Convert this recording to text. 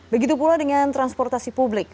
begitu pula dengan transportasi publik